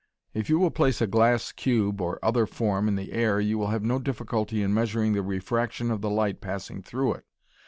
If you will place a glass cube or other form in the air, you will have no difficulty in measuring the refraction of the light passing through it.